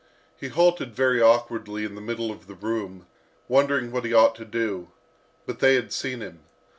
He halted very awkwardly in the middle of the room, wondering what he ought to do. But they had seen him.